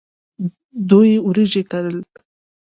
دوی وریجې کرل.